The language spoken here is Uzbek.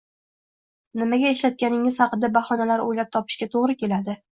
nimaga ishlatganingiz haqida bahonalar o‘ylab topishga to‘g‘ri keladi.